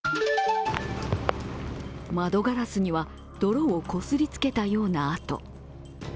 窓ガラスには、泥をこすりつけたような跡。